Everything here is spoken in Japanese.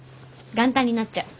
元旦になっちゃう。